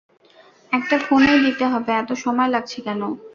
একটা ফোনই দিতে হবে এত সময় লাগছে কেন?